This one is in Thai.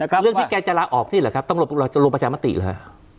เรื่องที่แกจะละออกที่หรือครับต้องรวมประชามติหรือครับ